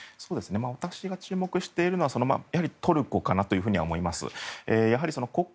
私が注目しているのはやはりトルコかなと思います。